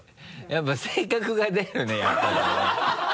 やっぱ性格が出るねやっぱりね。